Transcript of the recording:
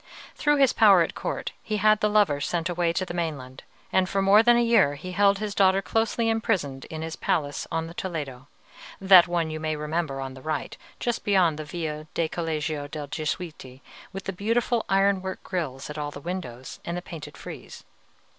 Through his power at court he had the lover sent away to the mainland, and for more than a year he held his daughter closely imprisoned in his palace on the Toledo, that one, you may remember, on the right, just beyond the Via del Collegio dei Gesuiti, with the beautiful iron work grilles at all the windows, and the painted frieze.